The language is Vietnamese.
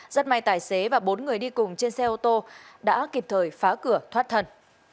rất may tài xế và bốn người đi cùng trên xe ô tô đã kịp thời phá cửa thoát thần